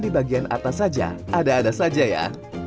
di bagian atas saja ada ada saja ya